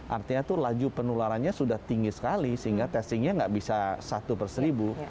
artinya itu laju penularannya sudah tinggi sekali sehingga testingnya nggak bisa satu per seribu